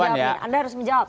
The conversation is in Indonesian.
anda harus menjawab